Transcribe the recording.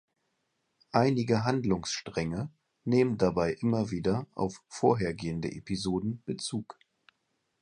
Einige Handlungsstränge nehmen dabei immer wieder auf vorhergehende Episoden Bezug.